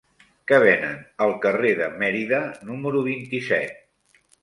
Què venen al carrer de Mérida número vint-i-set?